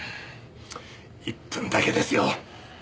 １分だけですよ。